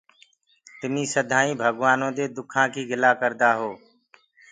تمي سڌئينٚ ڀگوآنو دي دُکآ ڪي گِلآ ڪردآ هو۔